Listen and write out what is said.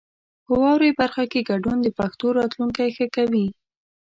په واورئ برخه کې ګډون د پښتو راتلونکی ښه کوي.